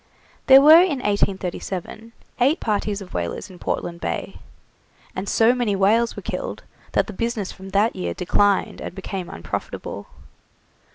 There were in 1837 eight parties of whalers in Portland Bay, and so many whales were killed that the business from that year declined and became unprofitable.